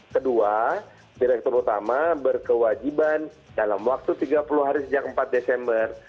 kedua direktur utama berkewajiban dalam waktu tiga puluh hari sejak empat desember